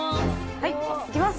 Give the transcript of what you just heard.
はいいきます。